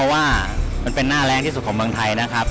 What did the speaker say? ว่ามันเป็นหน้าแรงที่สุดของเมืองไทยนะครับ